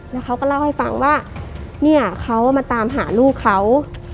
แล้วเขาก็เล่าให้ฟังว่าเนี่ยเขามาตามหาลูกเขา